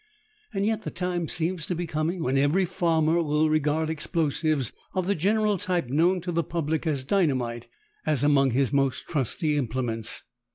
Yet the time seems to be coming when every farmer will regard explosives, of the general type known to the public as dynamite, as among his most trusty implements.